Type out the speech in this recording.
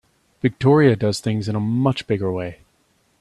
Victoria does things in a much bigger way.